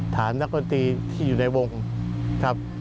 ถามนักดนตรีที่อยู่ในวงครับ